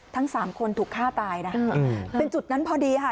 ทั้งสามคนถูกฆ่าตายนะเป็นจุดนั้นพอดีค่ะ